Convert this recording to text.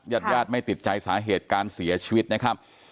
ญาติญาติไม่ติดใจสาเหตุการเสียชีวิตนะครับ